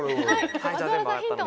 松丸さんヒント